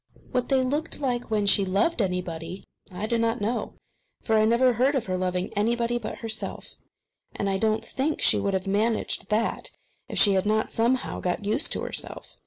What they looked like when she loved anybody, I do not know; for I never heard of her loving anybody but herself, and I do not think she could have managed that if she had not somehow got used to herself.